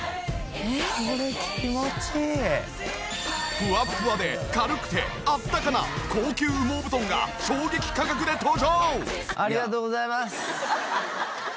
フワッフワで軽くてあったかな高級羽毛布団が衝撃価格で登場！